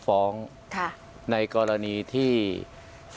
อันดับที่สุดท้าย